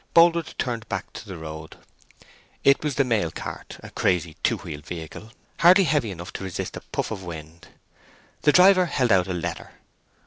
Boldwood turned back into the road. It was the mail cart—a crazy, two wheeled vehicle, hardly heavy enough to resist a puff of wind. The driver held out a letter.